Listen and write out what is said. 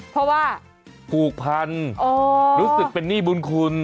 เพราะว่าผูกพันรู้สึกเป็นหนี้บุญคุณ